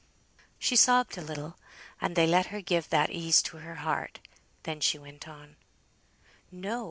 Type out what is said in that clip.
She sobbed a little; and they let her give that ease to her heart. Then she went on "No!